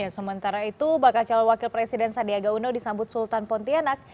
sementara itu bakal calon wakil presiden sandiaga uno disambut sultan pontianak